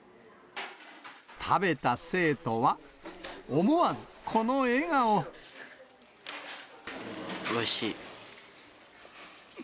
食べた生徒は、おいしい。